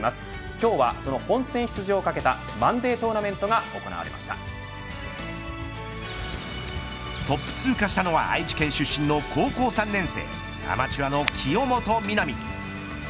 今日はその本戦出場をかけたマンデートーナメントがトップ通過したのは愛知県出身の高校３年生アマチュアの清本美波。